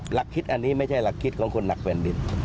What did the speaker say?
หลักคิดอันนี้ไม่ใช่หลักคิดของคนหนักแผ่นดิน